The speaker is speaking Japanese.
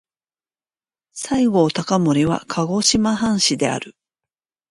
西郷隆盛は鹿児島藩士である。